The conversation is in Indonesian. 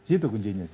itu kuncinya sih